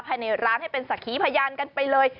ภายในร้านให้เป็นสักขีพยานกันไปเลย